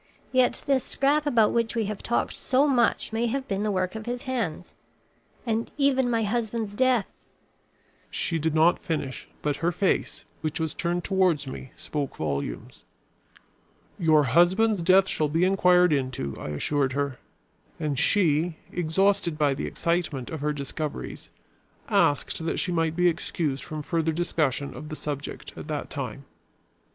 Yet this scrap about which we have talked so much may have been the work of his hands; and even my husband's death " She did not finish, but her face, which was turned towards me, spoke volumes. "Your husband's death shall be inquired into," I assured her. And she, exhausted by the excitement of her discoveries, asked that she might be excused from further discussion of the subject at that time.